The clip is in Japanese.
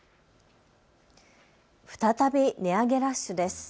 再び値上げラッシュです。